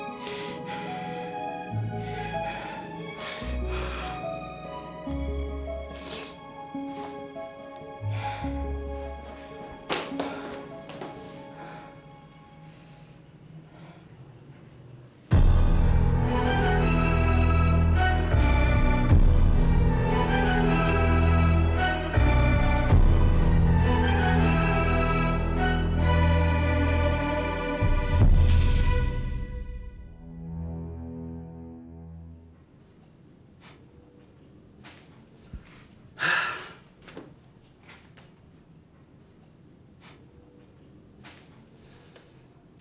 misalnya untuk memikirkanmodek kita